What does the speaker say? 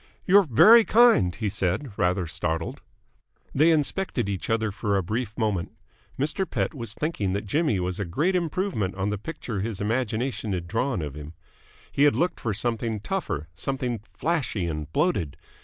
"You're very kind," he said, rather startled. They inspected each other for a brief moment. Mr. Pett was thinking that Jimmy was a great improvement on the picture his imagination had drawn of him. He had looked for something tougher, something flashy and bloated.